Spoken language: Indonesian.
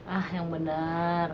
ah yang benar